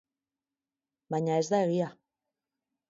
Baina ez da egia.